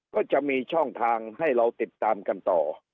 ก็จะมีช่องทางให้เราติดตามกันต่อ